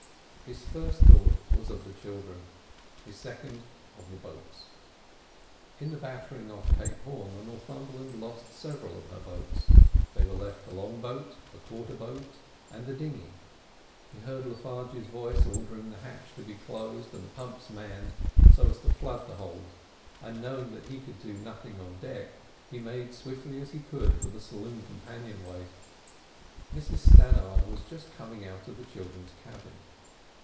His first thought was of the children, his second of the boats. In the battering off Cape Horn the Northumberland lost several of her boats. There were left the long boat, a quarter boat, and the dinghy. He heard Le Farge's voice ordering the hatch to be closed and the pumps manned, so as to flood the hold; and, knowing that he could do nothing on deck, he made as swiftly as he could for the saloon companion way. Mrs Stannard was just coming out of the children's cabin.